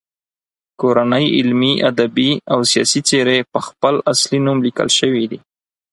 کورنۍ علمي، ادبي او سیاسي څیرې په خپل اصلي نوم لیکل شوي دي.